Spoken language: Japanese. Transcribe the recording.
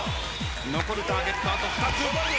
残るターゲットあと２つ。